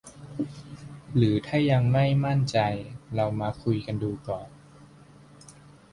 หรือถ้ายังไม่มั่นใจ เรามาคุยกันดูก่อน